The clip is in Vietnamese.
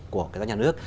của các nhà nước